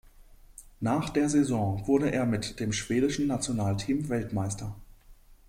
Nach der Saison wurde er mit dem schwedischen Nationalteam Weltmeister.